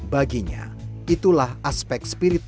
baginya itulah aspek spiritual